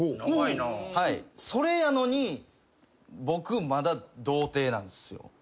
おお。それやのに僕まだ童貞なんですよ。